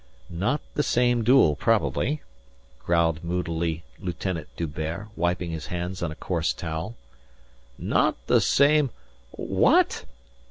"Not the same duel probably," growled moodily Lieutenant D'Hubert, wiping his hands on a coarse towel. "Not the same.... What?